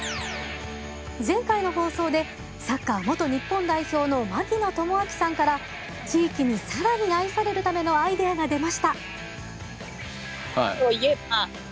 前回の放送でサッカー元日本代表の槙野智章さんから地域に更に愛されるためのアイデアが出ました。